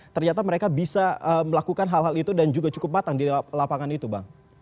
ternyata mereka bisa melakukan hal hal itu dan juga cukup matang di lapangan itu bang